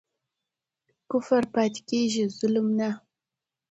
کفر پاتی کیږي ظلم نه